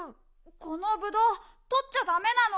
このぶどうとっちゃダメなの。